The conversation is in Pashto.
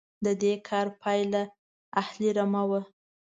د دې کار پایله اهلي رمه وه.